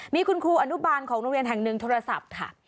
มีคุณครูอนุบาลของโรงเรียนแห่งหนึ่งโทรศัพท์ค่ะ